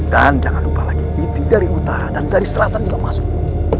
dan jangan lupa lagi itu dari utara dan dari selatan juga masuk